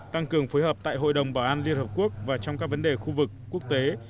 tăng cường phối hợp tại hội đồng bảo an liên hợp quốc và trong các vấn đề khu vực quốc tế